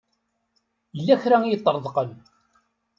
Yella kra i iṭṭreḍqen.